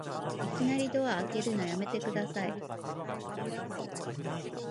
いきなりドア開けるのやめてください